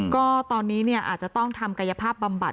ก็ตอนนี้อาจจะต้องทำกายภาพบำบัด